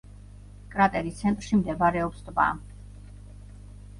კრატერის ცენტრში მდებარეობს ტბა.